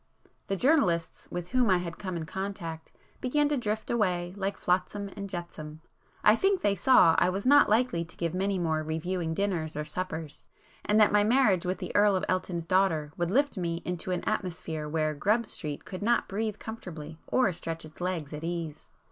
The journalists with whom I had come in contact began to drift away like flotsam and jetsam; I think they saw I was not likely to give many more 'reviewing' dinners or suppers, and that my marriage with the Earl of Elton's daughter would lift me into an atmosphere where Grub street could not breathe comfortably or stretch its legs at ease.